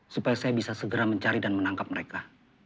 supaya saya bisa segera mencari dan menangkap mereka